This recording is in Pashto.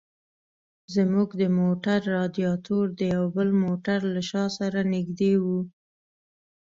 زموږ د موټر رادیاټور د یو بل موټر له شا سره نږدې و.